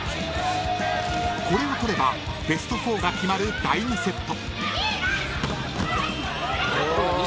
［これを取ればベスト４が決まる第２セット］